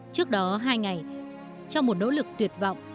trước đó hai ngày trong một nỗ lực tuyệt vọng